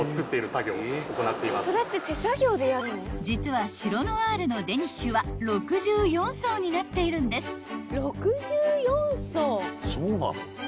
［実はシロノワールのデニッシュは６４層になっているんです］